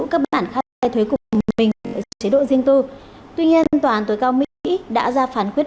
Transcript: các hồ sơ cho thấy trong giai đoạn trên cựu tổng thống trump và phu nhân melania trump